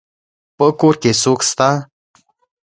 په کور کي څوک سته.